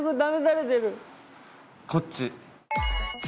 こっち。